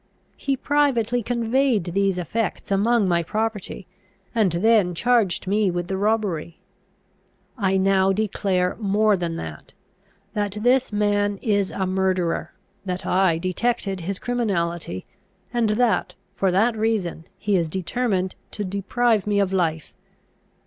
He privately conveyed these effects among my property, and then charged me with the robbery. I now declare more than that, that this man is a murderer, that I detected his criminality, and that, for that reason, he is determined to deprive me of life.